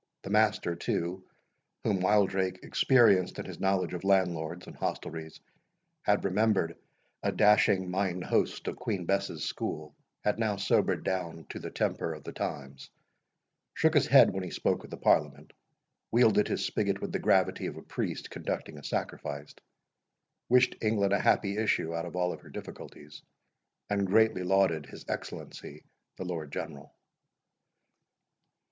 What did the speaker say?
The master, too, whom Wildrake, experienced in his knowledge of landlords and hostelries, had remembered a dashing Mine Host of Queen Bess's school, had now sobered down to the temper of the times, shook his head when he spoke of the Parliament, wielded his spigot with the gravity of a priest conducting a sacrifice, wished England a happy issue out of all her difficulties, and greatly lauded his Excellency the Lord General.